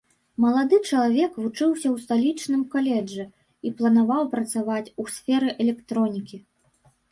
Малады чалавек вучыўся ў сталічным каледжы і планаваў працаваць у сферы электронікі.